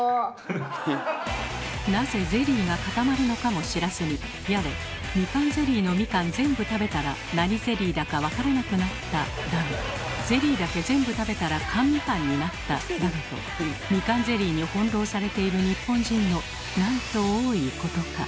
なぜゼリーが固まるのかも知らずにやれ「みかんゼリーのみかん全部食べたら何ゼリーだか分からなくなった」だの「ゼリーだけ全部食べたら缶みかんになった」だのとみかんゼリーに翻弄されている日本人のなんと多いことか。